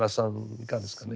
いかがですかね。